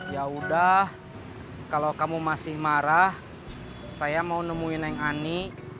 yaudah kalau kamu masih marah saya mau nemuin neng ani